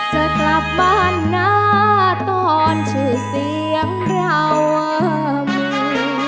จะกลับบ้านนะตอนชื่อเสียงเราว่ามี